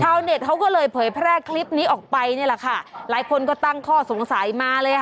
เน็ตเขาก็เลยเผยแพร่คลิปนี้ออกไปนี่แหละค่ะหลายคนก็ตั้งข้อสงสัยมาเลยค่ะ